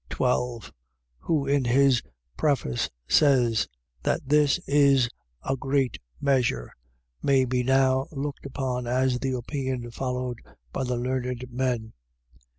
12, who in his Preface says, that this, in a great measure, may be now looked upon as the opinion followed by the learned men.